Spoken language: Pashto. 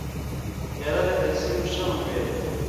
کېله د کلسیم ښه منبع ده.